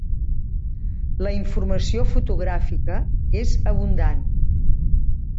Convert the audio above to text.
La informació fotogràfica és abundant.